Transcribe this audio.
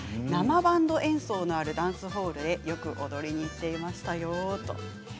生バンド演奏のあるダンスホールでよく踊りに行っていましたよ。